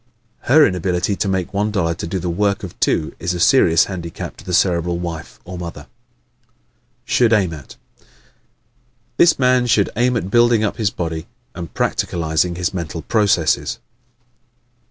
Her inability to make one dollar do the work of two is a serious handicap to the Cerebral wife or mother. Should Aim At ¶ This man should aim at building up his body and practicalizing his mental processes.